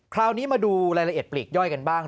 คราวนี้มาดูรายละเอียดปลีกย่อยกันบ้าง